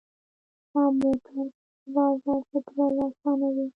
موټر سره بازار ته تلل اسانه وي.